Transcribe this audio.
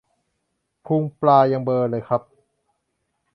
พุงปลายังเบลอเลยครับ